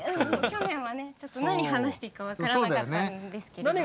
去年はね何話していいか分からなかったんですけれども。